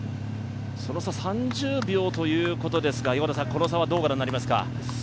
その差３０秒という差ですが、この差はどう見ますか？